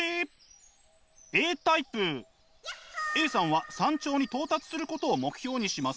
Ａさんは山頂に到達することを目標にします。